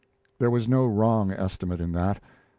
There was no wrong estimate in that.